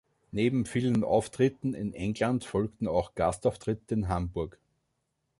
Neben vielen Auftritten in England folgten auch Gastauftritte in Hamburg.